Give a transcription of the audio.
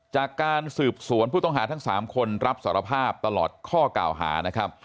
จากการสืบสวนผู้ต้องหาทั้ง๓คนรับสารภาพตลอดข้อกล่าวหานะครับ